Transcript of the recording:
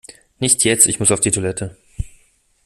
Nicht jetzt, ich muss auf die Toilette!